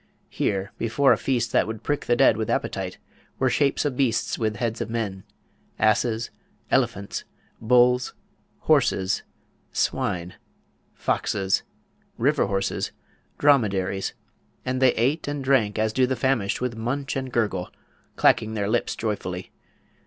Here, before a feast that would prick the dead with appetite, were shapes of beasts with heads of men, asses, elephants, bulls, horses, swine, foxes, river horses, dromedaries; and they ate and drank as do the famished with munch and gurgle, clacking their lips joyfully.